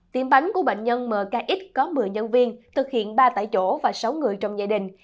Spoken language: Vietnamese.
tiệm bánh của bệnh nhân mkx có một mươi nhân viên thực hiện ba tại chỗ và sáu người trong gia đình